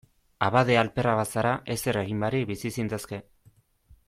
Abade alferra bazara, ezer egin barik bizi zintezke.